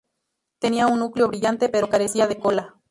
Tenía un núcleo brillante, pero carecía de cola.